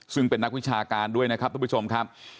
ซึ่งเป็นนักวิชาการด้วยนะครับทุกผู้ชมครับ